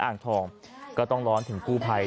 อ่างทองก็ต้องร้อนถึงกู้ภัย